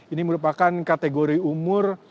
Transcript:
ini merupakan kategori umur